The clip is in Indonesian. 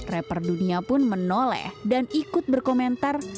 rapper dunia pun menoleh dan ikut berkomentar